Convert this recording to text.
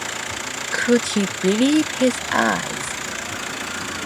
Could he believe his eyes!